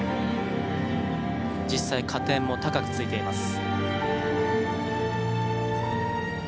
実際加点も高くついています。